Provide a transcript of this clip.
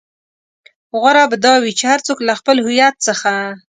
غوره به دا وي چې هر څوک له خپل هويت څخه.